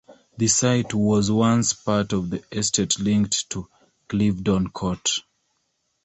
The site was once part of the estate linked to Clevedon Court.